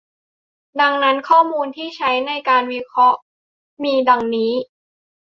ดังนั้นข้อมูลที่ใช้ในการวิเคราะห์มีดังนี้